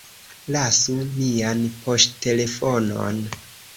Lasu mian poŝtelefonon